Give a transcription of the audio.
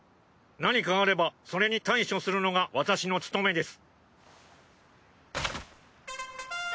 何かあればそれに対処するのが私の務めです。